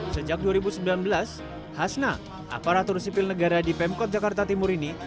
sejak dua ribu sembilan belas hasna aparatur sipil negara di pemkot jakarta timur ini